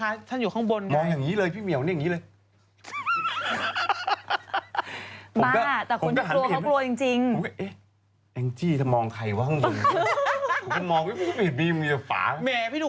อาจารย์ลักษณ์ดันพูดแบบนั้นก็ยิ่งสวดใจ